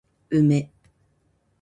梅